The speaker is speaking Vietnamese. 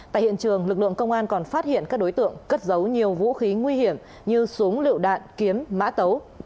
tại hiện trường lực lượng công an còn phát hiện các đối tượng cất giấu nhiều vũ khí nguy hiểm như súng lựu đạn kiếm mã tấu